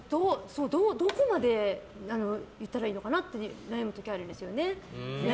どこまで言ったらいいのか悩む時あるんですよね。